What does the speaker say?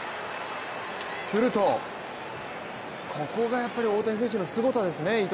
するとここがやっぱり大谷選手のすごさですね。